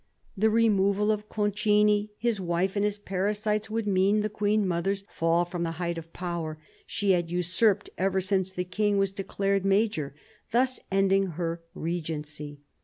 The removal of Concini, his wife and his parasites, would mean the Queen mother's fall from the height of power she had usurped ever since the King was declared major, thus ending her regency.